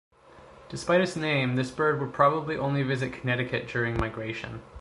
Despite its name, this bird would probably only visit Connecticut during migration.